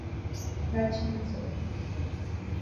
نہ چین سے۔